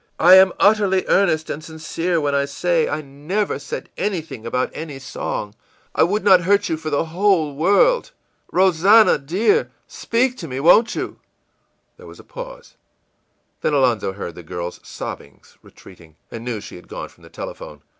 I am utterly earnest and sincere when I say I never said anything about any song. I would not hurt you for the whole world.... Rosannah, dear speak to me, won't you?î There was a pause; then Alonzo heard the girl's sobbings retreating, and knew she had gone from the telephone.